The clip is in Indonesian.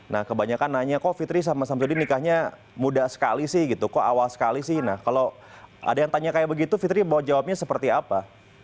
nah kebanyakan nanya kok fitri sama samsudi nikahnya muda sekali sih gitu kok awal sekali sih nah kalau ada yang tanya kayak begitu fitri mau jawabnya seperti apa